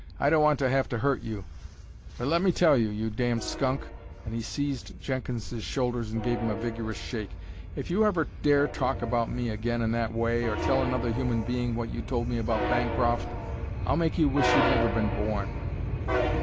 "I don't want to have to hurt you, but let me tell you, you damned skunk," and he seized Jenkins's shoulders and gave him a vigorous shake, "if you ever dare talk about me again in that way, or tell another human being what you told me about Bancroft, I'll make you wish you'd never been born."